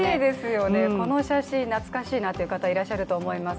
この写真、懐かしいっていう方いらっしゃると思います。